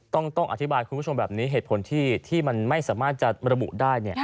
ต้องอธิบายคุณผู้ชมแบบนี้เหตุผลที่มันไม่สามารถจะระบุได้